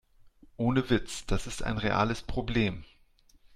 Ohne Witz, das ist ein reales Problem.